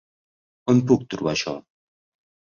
On puc trobar això?